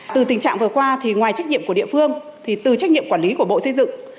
từ tình trạng vừa qua thì ngoài trách nhiệm của địa phương thì từ trách nhiệm quản lý của bộ xây dựng